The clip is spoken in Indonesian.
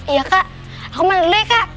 iya kak aku mandi dulu ya kak